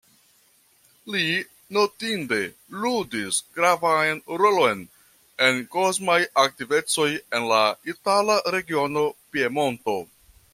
Li notinde ludis gravan rolon en kosmaj aktivecoj en la itala regiono Piemonto.